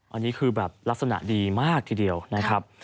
อันนี้คือแบบลักษณะดีมากทีเดียวนะครับ